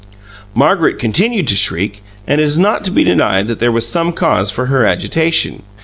Margaret continued to shriek, and it is not to be denied that there was some cause for her agitation.